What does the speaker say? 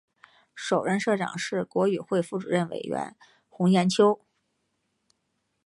首任社长是国语会副主任委员洪炎秋。